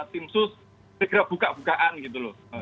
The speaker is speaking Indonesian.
tim sus segera buka bukaan gitu loh